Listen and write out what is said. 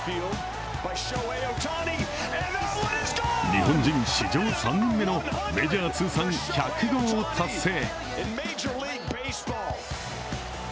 日本人史上３人目のメジャー通算１００号を達成。